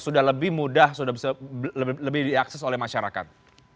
sudah lebih mudah sudah bisa lebih diakses oleh masyarakat